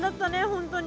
本当に。